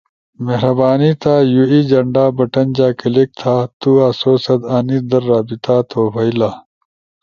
مہربانی تھا یو ای جھنڈا بٹن جا کلک تھا۔ تو آسو ست انیس در رابطہ تھو بئیلا۔